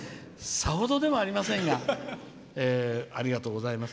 さほどでもありませんがありがとうございます。